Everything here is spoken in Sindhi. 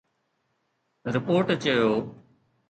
رپورٽ چيو